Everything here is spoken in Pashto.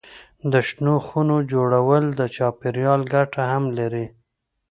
د شنو خونو جوړول د چاپېریال ګټه هم لري.